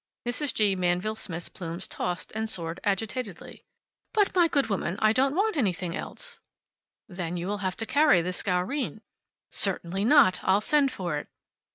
Mrs. G. Manville Smith's plumes tossed and soared agitatedly. "But my good woman, I don't want anything else!" "Then you'll have to carry the Scourine?" "Certainly not! I'll send for it."